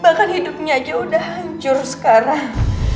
bahkan hidupnya aja udah hancur sekarang